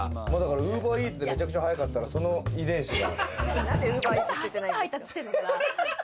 ウーバーイーツでめちゃくちゃ速かったら、その遺伝子が。